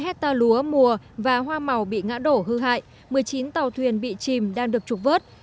hai mươi hectare lúa mùa và hoa màu bị ngã đổ hư hại một mươi chín tàu thuyền bị chìm đang được trục vớt